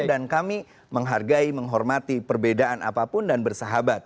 dan kami menghargai menghormati perbedaan apapun dan bersahabat